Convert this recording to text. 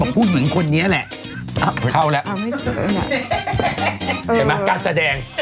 พูดเหมือนคนเนี้ยแหละเขาหรอเห็นไหมการแสดง